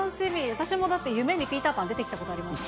私もだって、夢にピーター・パン出てきたことありますもん。